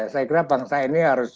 saya kira bangsa ini akan berubah